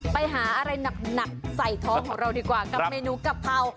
ไปหาอะไรหนักใส่ท้องของเราดีกว่ากับเมนูกะเพรา